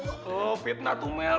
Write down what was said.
oh fitnah tuh mel